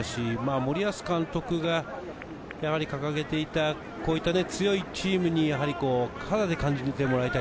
森保監督が掲げていた強いチーム、肌で感じてもらいたい。